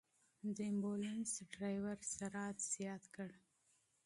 د امبولانس ډرېور سرعت زیات کړ.